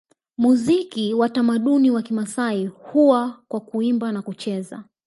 Muziki wa tamaduni wa Kimasai huwa kwa Kuimba na kucheza